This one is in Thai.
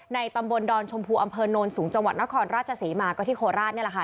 ตำบลดอนชมพูอำเภอโนนสูงจังหวัดนครราชศรีมาก็ที่โคราชนี่แหละค่ะ